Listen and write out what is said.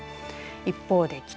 一方で北。